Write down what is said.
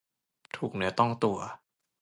ถูกเนื้อต้องตัว